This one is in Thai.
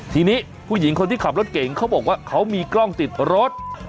ทีนี้ผู้หญิงคนที่ขับรถเก่งเขาบอกว่าเขามีกล้องติดรถ